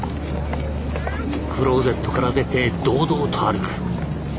クローゼットから出て堂々と歩く。